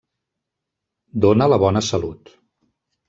Dóna la bona salut.